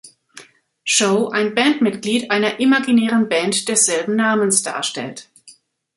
Show ein Bandmitglied einer imaginären Band desselben Namens darstellt.